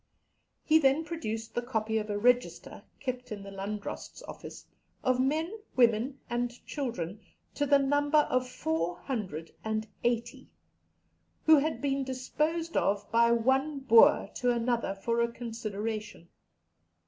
He then produced the copy of a register, kept in the Landdrost's office, of men, women, and children, to the number of four hundred and eighty (480), who had been disposed of by one Boer to another for a consideration.